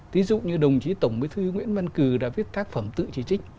ví dụ như đồng chí tổng bí thư nguyễn văn cừ đã viết tác phẩm tự chỉ trích